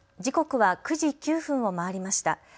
時刻は９時９分を回りました。